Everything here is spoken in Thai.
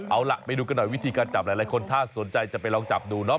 เอาล่ะไปดูกันหน่อยวิธีการจับหลายคนถ้าสนใจจะไปลองจับดูเนาะ